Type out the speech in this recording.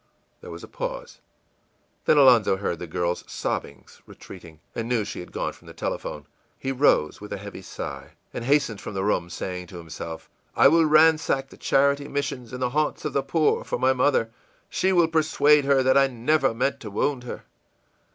î There was a pause; then Alonzo heard the girl's sobbings retreating, and knew she had gone from the telephone. He rose with a heavy sigh, and hastened from the room, saying to himself, ìI will ransack the charity missions and the haunts of the poor for my mother. She will persuade her that I never meant to wound her.